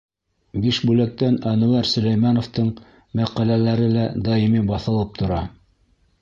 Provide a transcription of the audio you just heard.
Бишбүләктән Әнүәр Сөләймәновтың мәҡәләләре лә даими баҫылып тора.